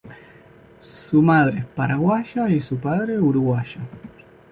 Su madre es paraguaya, y su padre uruguayo.